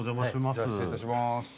失礼いたします。